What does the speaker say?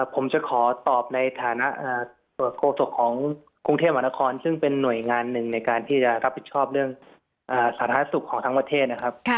ผมจะขอตอบในฐานะโฆษกของกรุงเทพมหานครซึ่งเป็นหน่วยงานหนึ่งในการที่จะรับผิดชอบเรื่องสาธารณสุขของทั้งประเทศนะครับ